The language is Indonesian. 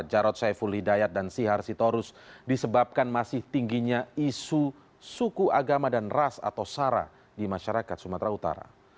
jarod saiful hidayat dan sihar sitorus disebabkan masih tingginya isu suku agama dan ras atau sara di masyarakat sumatera utara